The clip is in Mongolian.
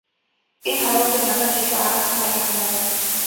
Энэ хорвоо дээр надаас илүү арга самбаатай хүн байна уу?